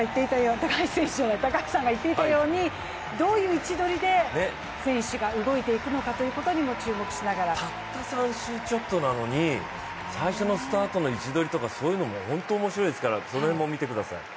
高橋さんが言っていたように、どういう位置取りで選手が動いていくのかにもたった３周ちょっとなのに最初のスタートの位置取りとかそういうのも本当に面白いですから、その辺も見てください。